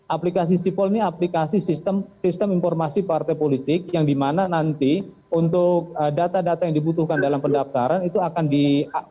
aplikasi sipol ini aplikasi sistem informasi partai politik yang dimana nanti untuk data data yang dibutuhkan dalam pendaftaran itu akan di